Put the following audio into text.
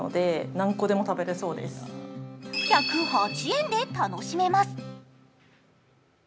１０８円で楽しめます。